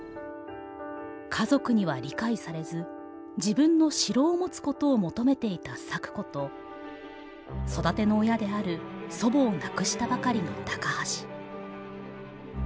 家族には理解されず自分の城を持つことを求めていた咲子と育ての親である祖母を亡くしたばかりの高橋。